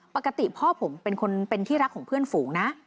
ปกติพ่อผมเป็นคนเป็นที่รักของเพื่อนฝูงนะ